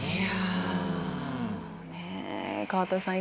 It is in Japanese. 川田さん。